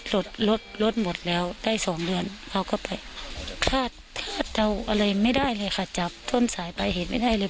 เราอะไรไม่ได้เลยค่ะจับต้นสายไปเห็นไม่ได้เลย